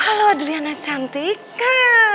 halo aduh riana cantika